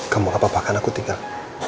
kamu gak apa apa karena aku tinggal